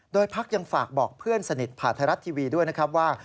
โดยพักยังฝากบอกเพื่อนสนิทผ่านไทยรัฐทีวีด้วยนะครับว่า